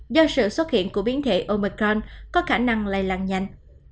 do sự xuất hiện của biến thể omercron có khả năng lây lan nhanh